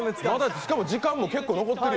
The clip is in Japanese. しかも時間も結構、残ってるよ。